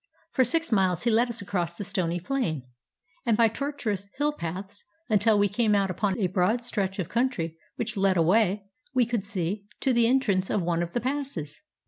For six miles he led us across the stony plain, and by tortuous hill paths, until we came out upon a broad stretch of country which led away, we could see, to the entrance of one of the passes.